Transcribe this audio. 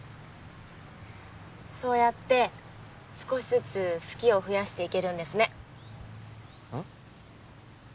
そうやって少しずつ好きを増やしていけるんですねうん？